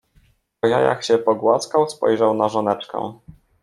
Po jajach się pogłaskał, spojrzał na żoneczkę: